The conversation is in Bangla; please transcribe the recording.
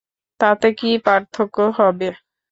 তাতে কী পার্থক্য হবে?